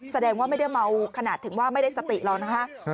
แสดงว่าไม่ได้เมาขนาดถึงว่าไม่ได้สติแล้วนะคะ